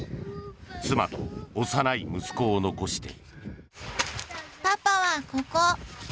妻と幼い息子を残して。